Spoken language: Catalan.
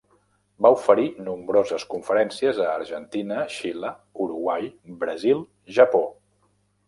Va oferir nombroses conferències a Argentina, Xile, Uruguai, Brasil, Japó.